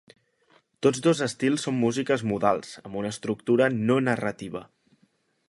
Tots dos estils són músiques modals, amb una estructura no narrativa.